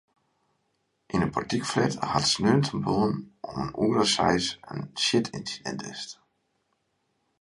Yn in portykflat hat sneintemoarn om in oere of seis in sjitynsidint west.